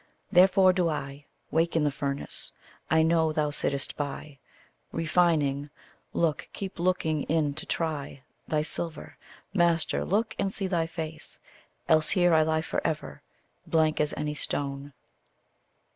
Therefore do I Wake in the furnace. I know thou sittest by, Refining look, keep looking in to try Thy silver; master, look and see thy face, Else here I lie for ever, blank as any stone.